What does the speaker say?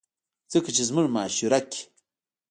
ځکه چې زمونږ معاشره کښې